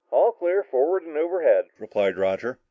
"All clear forward and overhead," replied Roger.